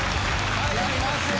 はいやりますよ。